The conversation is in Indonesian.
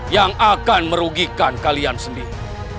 yang akan merugikan kalian sendiri